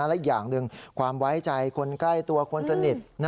และอีกอย่างหนึ่งความไว้ใจคนใกล้ตัวคนสนิท